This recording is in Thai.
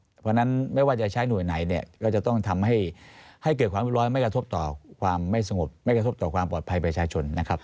เพราะฉะนั้นไม่ว่าจะใช้หน่วยไหนเนี่ยก็จะต้องทำให้เกิดความรุดร้อยไม่กระทบต่อความไม่สงบไม่กระทบต่อความปลอดภัยประชาชนนะครับ